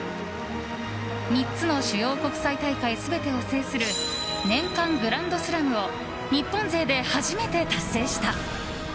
３つの主要国際大会全てを制する年間グランドスラムを日本勢で初めて達成した。